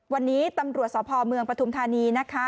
วันนี้ตำรวจสพเมืองปฐุมธานีนะคะ